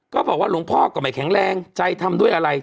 ก็บอกว่าหลวงพ่อก็ไม่แข็งแรงใจทำด้วยอะไร